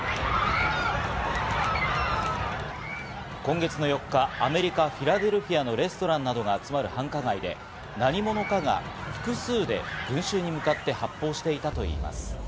今月の４日、アメリカ・フィラデルフィアのレストランなどが集まる繁華街で何者かが複数で群衆に向かって発砲していたといいます。